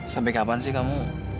sampai kapan sih kamu